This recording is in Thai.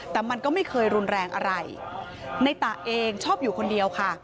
แต่มันก็ไม่เคยรุนแรงอะไรในตะเองชอบอยู่คนเดียวค่ะ